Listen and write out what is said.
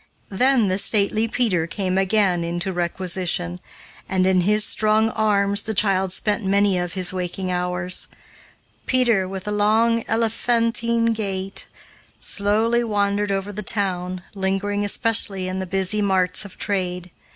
Then the stately Peter came again into requisition, and in his strong arms the child spent many of his waking hours. Peter, with a long, elephantine gait, slowly wandered over the town, lingering especially in the busy marts of trade.